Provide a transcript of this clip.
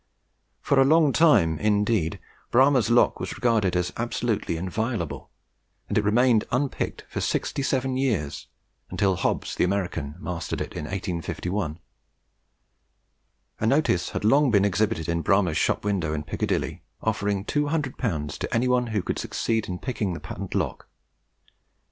For a long time, indeed, Bramah's lock was regarded as absolutely inviolable, and it remained unpicked for sixty seven years until Hobbs the American mastered it in 1851. A notice had long been exhibited in Bramah's shop window in Piccadilly, offering 200L. to any one who should succeed in picking the patent lock.